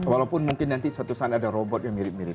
walaupun mungkin nanti suatu saat ada robot yang mirip mirip